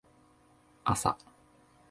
あさ